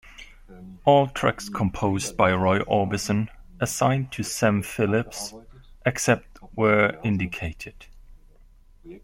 All tracks composed by Roy Orbison, assigned to Sam Phillips, except where indicated.